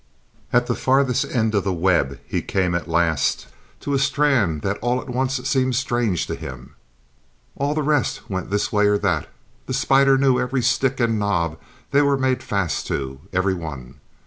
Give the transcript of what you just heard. At the farthest end of the web he came at last to a strand that all at once seemed strange to him. All the rest went this way or that the spider knew every stick and knob they were made fast to, every one.